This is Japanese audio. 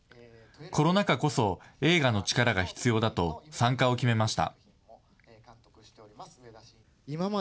コロナ禍こそ映画の力が必要だと、参加を決めました。